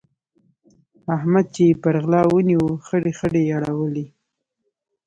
احمد چې يې پر غلا ونيو؛ خړې خړې يې اړولې.